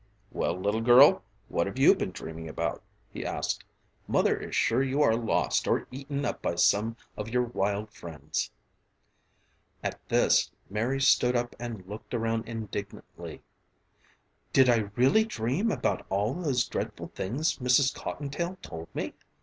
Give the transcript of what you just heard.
"Well, little girl, what have you been dreaming about?" he asked. "Mother is sure you are lost or eaten up by some of your wild friends." At this, Mary stood up and looked around indignantly. "Did I really dream about all those dreadful things Mrs. Cottontail told me?"